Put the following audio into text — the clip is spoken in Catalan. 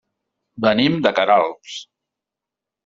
Venim de Queralbs.